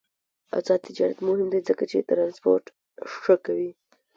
آزاد تجارت مهم دی ځکه چې ترانسپورت ښه کوي.